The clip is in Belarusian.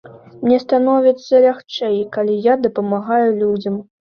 Мне становіцца лягчэй, калі я дапамагаю людзям.